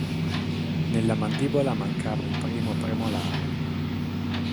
Nella mandibola mancava il primo premolare.